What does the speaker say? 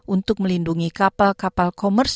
untuk melindungi kapal kapal